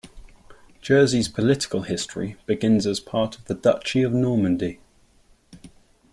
Jersey's political history begins as part of the Duchy of Normandy.